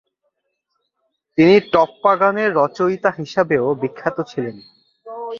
তিনি টপ্পাগানের রচয়িতা হিসাবেও বিখ্যাত ছিলেন।